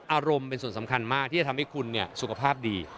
อารมณ์เป็นส่วนสำคัญมากที่จะทำให้คุณสุขภาพดี